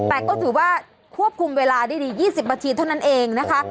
แต่ก็ถือว่าควบคุมเวลาได้ดี๒๐นาทีเท่านั้นเองนะคะ